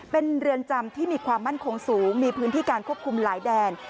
เป็นเรือนจำที่มีความมั่นคงสูงมีพื้นที่การควบคุมหลายแดน